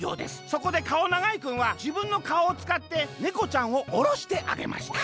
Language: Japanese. そこでかおながいくんはじぶんのかおをつかってねこちゃんをおろしてあげました」。